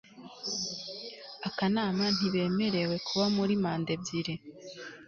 akanama ntibemerewe kuba muri manda ebyiri